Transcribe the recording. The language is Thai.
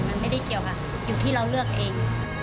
มันไม่ได้เกี่ยวค่ะอยู่ที่เราเลือกเอง